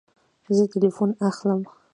زه تلیفون اخلم